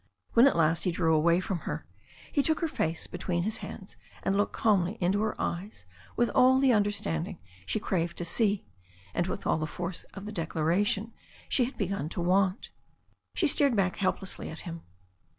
When, at last, he drew away from her, he took her face be tween his hands and looked calmly into her eyes with alP the understanding she craved to see, and with all the force of the declaration she had begun to want. She stared back helplessly at him.